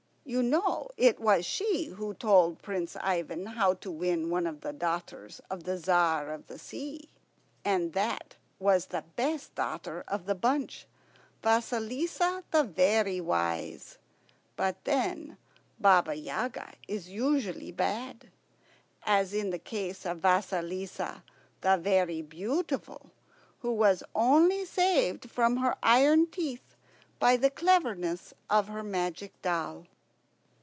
You know it was she who told Prince Ivan how to win one of the daughters of the Tzar of the Sea, and that was the best daughter of the bunch, Vasilissa the Very Wise. But then Baba Yaga is usually bad, as in the case of Vasilissa the Very Beautiful, who was only saved from her iron teeth by the cleverness of her Magic Doll."